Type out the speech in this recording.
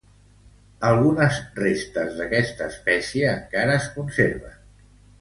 Algunes restes d'aquesta espècie encara es conserven.